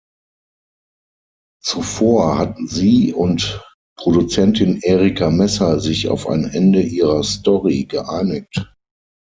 Zuvor hatten sie und Produzentin Erica Messer sich auf ein Ende ihrer Story geeinigt.